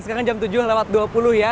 sekarang jam tujuh lewat dua puluh ya